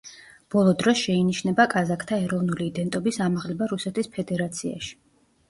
ბოლო დროს შეინიშნება კაზაკთა ეროვნული იდენტობის ამაღლება რუსეთის ფედერაციაში.